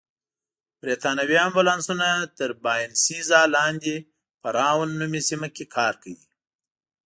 بریتانوي امبولانسونه تر باینسېزا لاندې په راون نومي سیمه کې کار کوي.